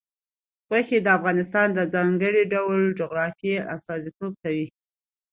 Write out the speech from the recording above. غوښې د افغانستان د ځانګړي ډول جغرافیه استازیتوب کوي.